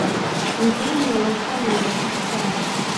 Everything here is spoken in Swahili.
Mtihani walioufanya ni rahisi sana